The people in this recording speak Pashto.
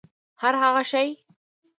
هرهغه شی